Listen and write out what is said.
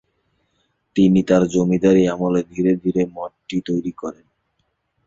তিনি তার জমিদারী আমলে ধীরে ধীরে মঠটি তৈরি করেন।